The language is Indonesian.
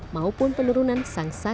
maupun penurunan sangsa